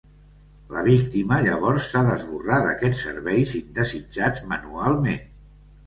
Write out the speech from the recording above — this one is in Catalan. La víctima llavors s'ha d'esborrar d'aquests serveis indesitjats manualment.